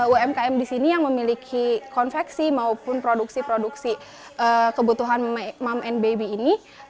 umkm di sini yang memiliki konveksi maupun produksi produksi kebutuhan mom and baby ini